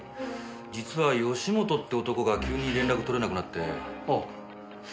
実は吉本って男が急に連絡とれなくなって。